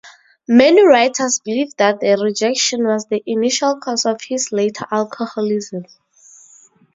Many writers believe that the rejection was the initial cause of his later alcoholism.